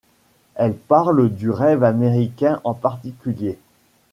Elle parle du rêve américain en particulier.